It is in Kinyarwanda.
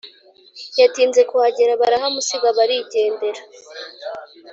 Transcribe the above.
yatinze kuhagera barahamusiga barigendera